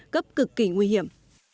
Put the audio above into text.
cấp cực kỳ nguy hiểm